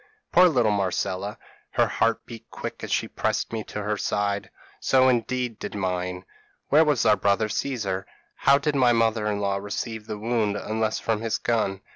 p> "Poor little Marcella, her heart beat quick as she pressed me to her side so indeed did mine. Where was our brother Caesar? How did my mother in law receive the wound unless from his gun?